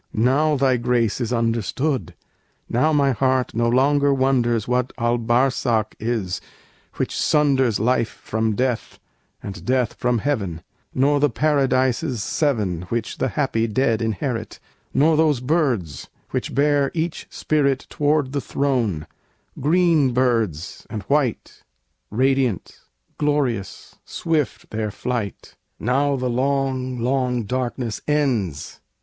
Now Thy grace is understood: Now my heart no longer wonders What Al Barsakh is, which sunders Life from death, and death from Heaven: Nor the "Paradises Seven" Which the happy dead inherit; Nor those "birds" which bear each spirit Toward the Throne, "green birds and white" Radiant, glorious, swift their flight! Now the long, long darkness ends.